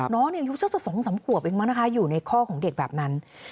น้องอายุสัก๒๓ขวบเองมั้งนะคะอยู่ในข้อของเด็กแบบนั้น